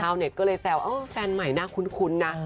เน็ตก็เลยแซวเออแฟนใหม่น่าคุ้นนะ